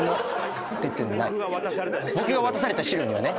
僕が渡された資料にはね。